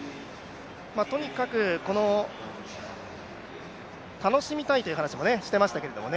とにかく、この楽しみたいという話もしてましたけれどもね